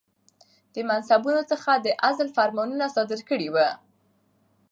د منصبونو څخه د عزل فرمانونه صادر کړي ؤ